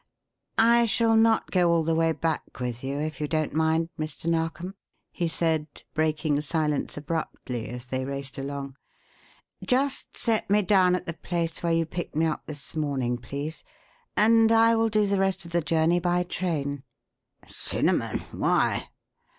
"I shall not go all the way back with you, if you don't mind, Mr. Narkom," he said, breaking silence abruptly, as they raced along. "Just set me down at the place where you picked me up this morning, please, and I will do the rest of the journey by train." "Cinnamon! Why?"